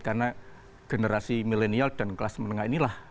karena generasi milenial dan kelas menengah inilah